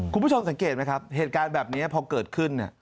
คุณผู้ชมสังเกตไหมครับเหตุการณ์แบบนี้พอเกิดขึ้นเนี่ย